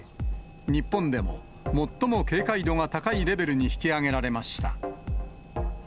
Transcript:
日本でも最も警戒度が高いレベルに引き上げられました。